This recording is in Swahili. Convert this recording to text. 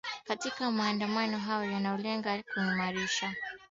katika maandamano hayo yanayolenga kuimarisha